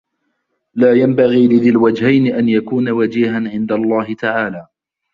لَا يَنْبَغِي لِذِي الْوَجْهَيْنِ أَنْ يَكُونَ وَجِيهًا عِنْد اللَّهِ تَعَالَى